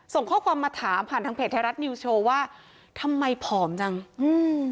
ส่งข้อความมาถามผ่านทางเพจไทยรัฐนิวส์โชว์ว่าทำไมผอมจังอืม